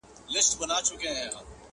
چي په تا یې رنګول زاړه بوټونه؛